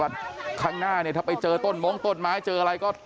ว่าครั้งหน้าถ้าไปเจอต้นมงตนต้นไม้เจออะไรก็